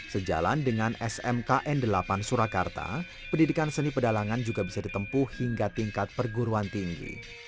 sejalan dengan smkn delapan surakarta pendidikan seni pedalangan juga bisa ditempuh hingga tingkat perguruan tinggi